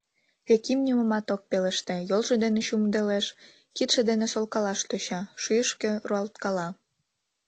Яким нимомат ок пелеште, йолжо дене чумедылеш, кидше дене солкалаш тӧча, шӱйышкӧ руалткала.